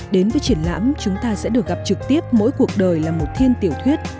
đến với triển lãm chúng ta sẽ được gặp trực tiếp mỗi cuộc đời là một thiên tiểu thuyết